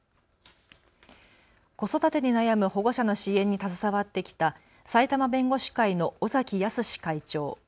子育てに悩む保護者の支援に携わってきた埼玉弁護士会の尾崎康会長。